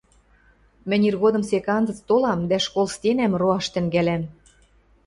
— Мӹнь иргодым сек анзыц толам дӓ школ стенӓм роаш тӹнгӓлӓм.